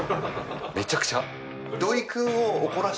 めちゃくちゃ。